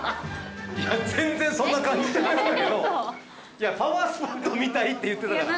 いや全然そんな感じじゃなかったけどいやパワースポットみたいって言ってたから。